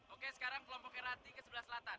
oke sekarang kelompok rati ke sebelah selatan